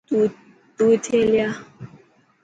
تون اٿي هليا.